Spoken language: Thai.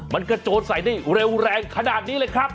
มันกระโจนใส่ได้เร็วแรงขนาดนี้เลยครับ